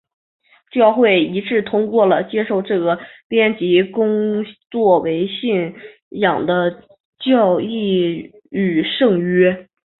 教会一致通过了接受这个编辑工作为信仰的教义和圣约。